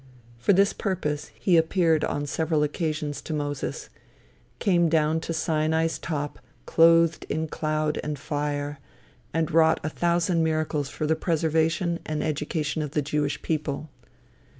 For this purpose, he appeared on several occasions to Moses came down to Sinai's top clothed in cloud and fire, and wrought a thousand miracles for the preservation and education of the Jewish people.